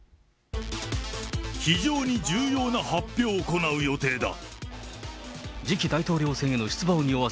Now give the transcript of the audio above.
非常に重要な発表を行う予定だ。